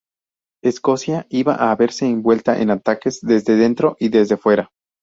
Escocia iba a verse envuelta en ataques desde dentro y desde fuera.